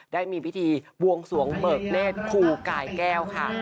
ได้มีพิธีบวงสวงเบิกเนธครูกายแก้วค่ะ